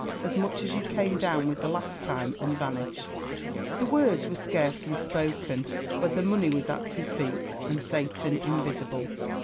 As much as you came down with the last time, and vanish." The words were scarcely spoken, when the money was at his feet, and Satan invisible.